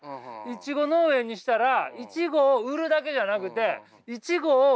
いちご農園にしたらいちごを売るだけじゃなくていちごを。